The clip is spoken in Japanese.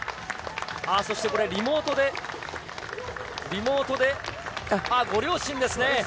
そしてこれ、リモートで、リモートで、あっ、ご両親ですね。